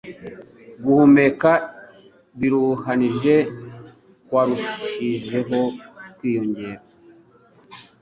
Guhumeka biruhanije kwarushijeho kwiyongera,